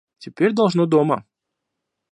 Теперь должно дома.